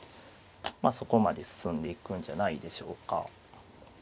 そこまで進んでいくんじゃないでしょうか。